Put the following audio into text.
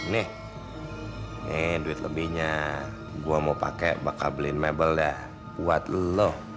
nih nih duit lebihnya gue mau pakai bakal beliin mebel dah buat lo